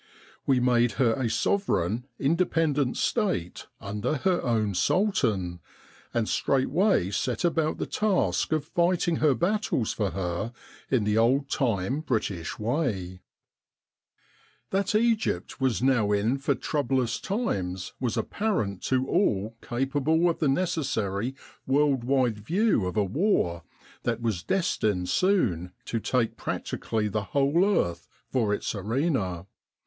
We made her a sovereign, in dependent State under her own Sultan, and straight way set about the task of fighting her battles for her in the old time British way. 18 Egypt and the Great War That Egypt was now in for troublous times was apparent to all capable of the necessary world wide view of a war that was destined soon to take practi cally the whole earth for its arena.